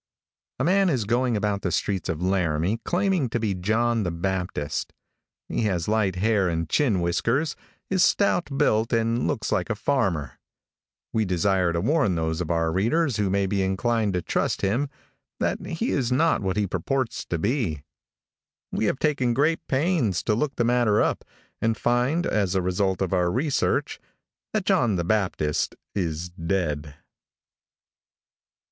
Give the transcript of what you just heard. |A MAN is going about the streets of Laramie claiming to be John the Baptist. He has light hair and chin whiskers, is stout built and looks like a farmer. We desire to warn those of our readers who may be inclined to trust him, that he is not what he purports to be. We have taken great pains to look the matter up, and find, as a result of our research, that John the Baptist is dead.